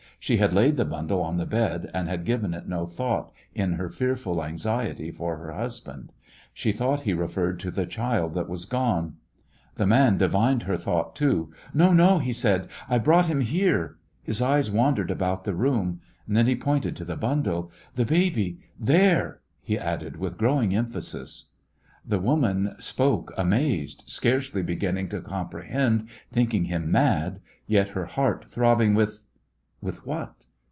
She had laid the bundle on the bed, and had given it no thought in her fearful anxiety for her hus band. She thought he referred to the child who was gone. The West Was Young The man divined her thought, too. " No, no," he said, " I brought him here.*' His eyes wandered about the room. Then he pointed to the bundle. "The baby, there," he added, with growing emphasis. The woman spoke amazed, scarcely beginning to comprehend, thinking him mad, yet her heart throbbing with — with what?